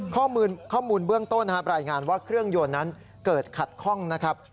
ข้อมูลเบื้องต้นรายงานว่าเครื่องยนต์นั้นเกิดขัดข้องนะครับ